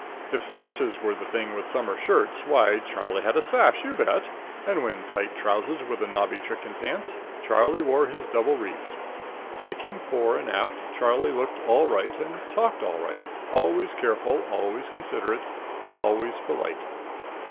If sashes were the thing with summer shirts, why Charlie had a sash, you bet, and when tight trousers were the nobby trick in pants, Charlie wore his double reefed. Take him fore and aft, Charlie looked all right and talked all right always careful, always considerate, always polite.